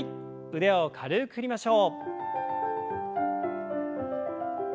腕を軽く振りましょう。